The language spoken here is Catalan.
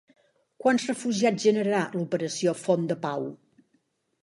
Quants refugiats generarà l'operació Font de Pau?